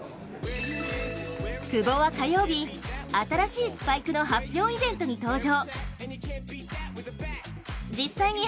久保は火曜日、新しいスパイクの発表イベントに登場。